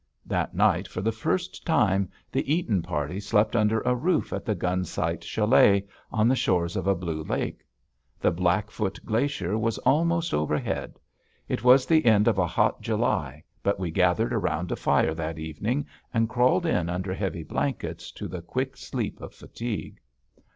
That night, for the first time, the Eaton party slept under a roof at the Gunsight Chalet, on the shores of a blue lake. The Blackfoot Glacier was almost overhead. It was the end of a hot July, but we gathered around a fire that evening, and crawled in under heavy blankets to the quick sleep of fatigue.